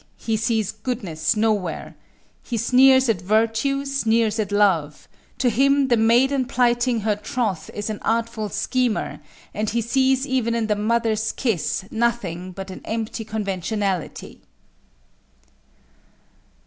He sees goodness nowhere. He sneers at virtue, sneers at love; to him the maiden plighting her troth is an artful schemer, and he sees even in the mother's kiss nothing but an empty conventionality."